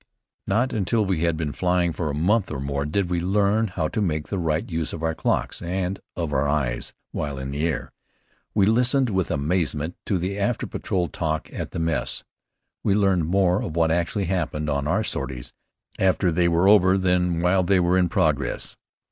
Not until we had been flying for a month or more did we learn how to make the right use of our clocks and of our eyes while in the air. We listened with amazement to after patrol talk at the mess. We learned more of what actually happened on our sorties, after they were over than while they were in progress.